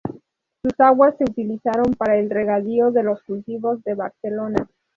Sus aguas se utilizaron para el regadío de los cultivos de Barcelona.